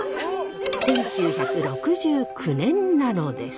１９６９年なのです。